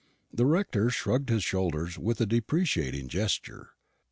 The rector shrugged his shoulders with a deprecating gesture.